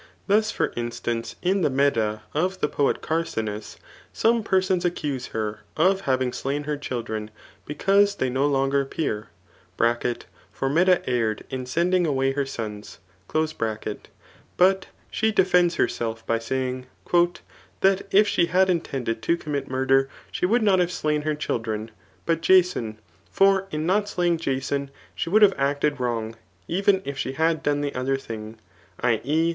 Thus for instance, in the Medcea of the poet Carcinus, some persons accuse her of having shin her children, because they no longer appear ; (for if edoea erred in sending away her sons) but she defends herself by saying, *< That [if she had intended to commit murder] she would not have slain her children, but Jason ; for in not slaying Jason, she would have acted wrong, even if she had done the other thing [i. e.